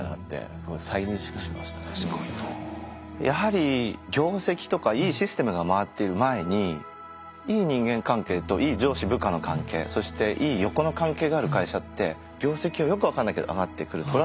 やはり業績とかいいシステムが回っている前にいい人間関係といい上司・部下の関係そしていい横の関係がある会社って業績はよく分かんないけど上がってくる。